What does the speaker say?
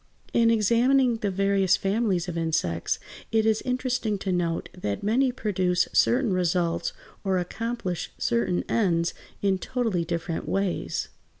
] In examining the various families of insects it is interesting to note that many produce certain results or accomplish certain ends in totally different ways.